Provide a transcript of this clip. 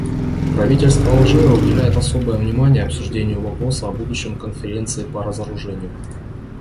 Правительство Алжира уделяет особое внимание обсуждению вопроса о будущем Конференции по разоружению.